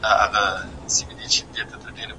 علم د طبیعت عيني قوانین وپېژندل.